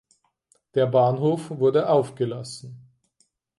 Der Bahnhof wurde aufgelassen.